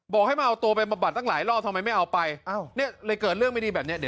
ให้มาเอาตัวไปบำบัดตั้งหลายรอบทำไมไม่เอาไปเนี่ยเลยเกิดเรื่องไม่ดีแบบนี้เดี๋ยว